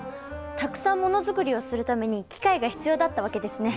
たくさんものづくりをするために機械が必要だったわけですね。